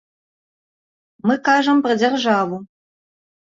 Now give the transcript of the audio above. Мы кажам пра дзяржаву.